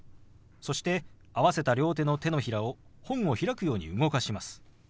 そして合わせた両手の手のひらを本を開くように動かします。